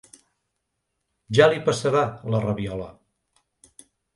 Ja li passarà, la rabiola!